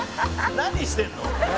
何してんの？